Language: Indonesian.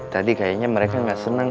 tadi kayaknya mereka nggak senang